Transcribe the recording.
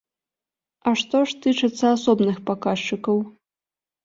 А што ж тычыцца асобных паказчыкаў?